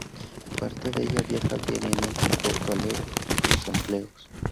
Parte de ella viaja diariamente a Porto Alegre por sus empleos.